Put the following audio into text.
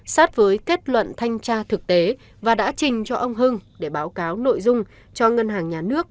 sát với kết luận thanh tra thực tế và đã trình cho ông hưng để báo cáo nội dung cho ngân hàng nhà nước